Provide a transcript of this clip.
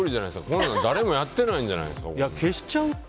こんなん誰もやってないんじゃないですか。